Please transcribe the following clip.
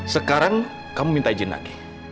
sekarang kamu minta izin lagi